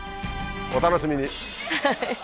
お楽しみに！